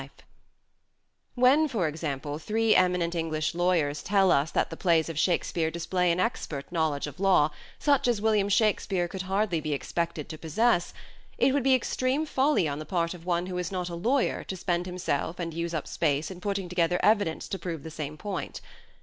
11 Shake When, for example, three eminent English lawyers sp«are "and tell us that the plays of Shakespeare display an expert knowledge of law such as William Shakspere could hardly be expected to possess, it would be extreme folly on the part of one who is not a lawyer to spend himself and use up space in putting together evidence to prove the same point.